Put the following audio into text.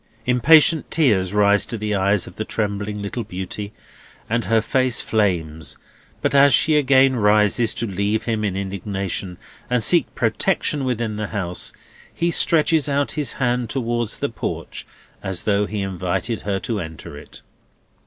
Impatient tears rise to the eyes of the trembling little beauty, and her face flames; but as she again rises to leave him in indignation, and seek protection within the house, he stretches out his hand towards the porch, as though he invited her to enter it.